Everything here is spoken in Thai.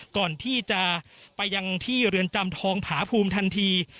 ก่อนที่จะไปยังที่เรือนจำทองผาภูมิทันที